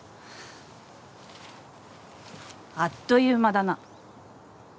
あっという間だな。